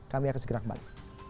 kami akan segera kembali